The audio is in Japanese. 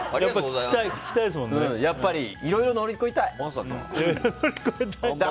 やっぱりいろいろ乗り越えたい。